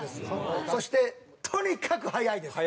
そしてとにかく速いです。